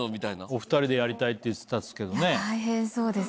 お２人でやりたいって言ってたっすけどね。